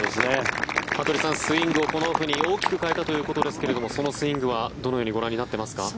服部さん、スイングをこのオフに大きく変えたということですがそのスイングはどのようにご覧になっていますか？